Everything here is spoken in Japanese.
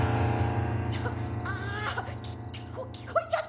あきこ聞こえちゃった？